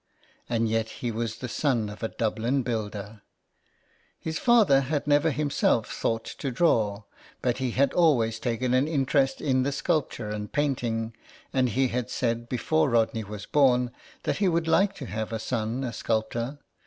And yet he was the son of a Dublin builder ! His father had never himself thought to draw, but he had always taken an interest in sculpture and painting, and he had said before Rodney was born that he would like to have a son a sculptor.